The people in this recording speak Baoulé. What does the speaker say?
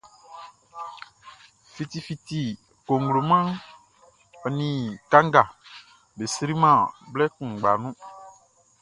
Fiti fiti cogloman ɔ ni kanga be sri man blɛ kuʼngba nu.